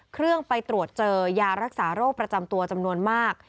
เครื่องไปตรวจเจอยารักษาโรคประจำตัวจำนวนมาก